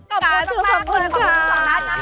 ขอบคุณค่ะขอบคุณค่ะ